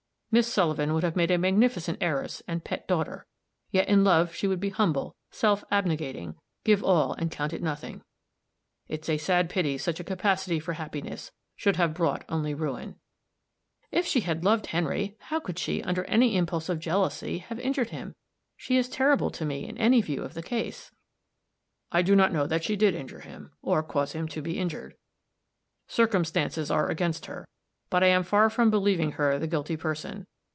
Miss Sullivan would have made a magnificent heiress and pet daughter; yet in love she would be humble, self abnegating give all and count it nothing. It's a sad pity such a capacity for happiness should have brought only ruin." "If she had loved Henry, how could she, under any impulse of jealousy, have injured him? She is terrible to me in any view of the case." "I do not know that she did injure him, or cause him to be injured. Circumstances are against her. But I am far from believing her the guilty person.